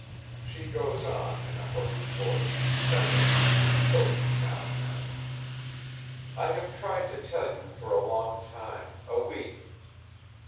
She goes on in a hurried voice, tremulous and choked now and then: "I have tried to tell you for a long time a week.